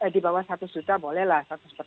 di bawah seratus juta bolehlah